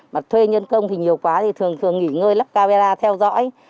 mà thuê nhân công thì nhiều quá thì thường thường nghỉ ngơi lắp camera theo dõi